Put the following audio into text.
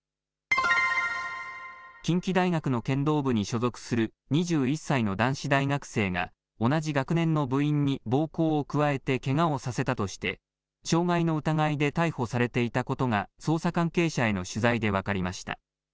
近畿大学の剣道部に所属する２１歳の男子大学生が、同じ学年の部員に暴行を加えてけがをさせたとして傷害の疑いで逮捕されていたことが、捜査関係者への取材で分かりました。